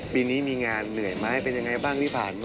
ปีนี้มีงานเหนื่อยไหมเป็นยังไงบ้างที่ผ่านมา